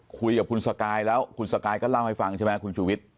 คุยกับคุณสกายแล้วคุณสกายก็เล่าให้ฟังใช่ไหมคุณชูวิทย์